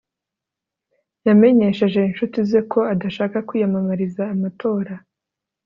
yamenyesheje inshuti ze ko adashaka kwiyamamariza amatora